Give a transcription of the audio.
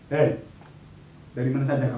tidak ada yang bisa dihukum